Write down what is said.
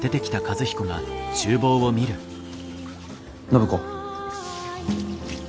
暢子。